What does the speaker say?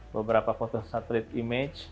beberapa foto satelit image